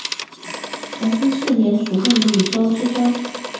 同治四年署会理州知州。